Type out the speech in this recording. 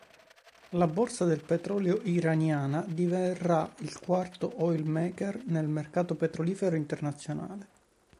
La borsa del petrolio iraniana diverrà il quarto "oil marker" nel mercato petrolifero internazionale.